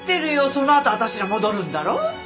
そのあと私ら戻るんだろ？